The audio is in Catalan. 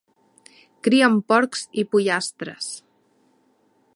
Crien porcs i pollastres.